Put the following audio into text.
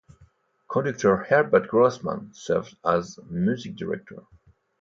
Conductor Herbert Grossman served as music director.